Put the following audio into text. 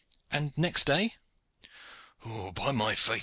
"And next day?" "By my faith!